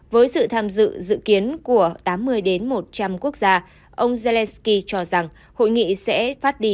với sự tham dự dự kiến của tám mươi đến một trăm linh quốc gia ông zelensky cho rằng hội nghị sẽ phát đi